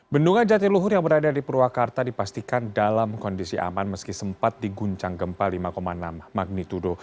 bendungan jatiluhur yang berada di purwakarta dipastikan dalam kondisi aman meski sempat diguncang gempa lima enam magnitudo